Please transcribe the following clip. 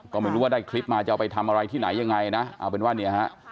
ก็ไม่รู้ว่าได้คลิปมาจะเอาไปทำอะไรที่ไหนยังไงนะเอาเป็นว่าเนี่ยฮะ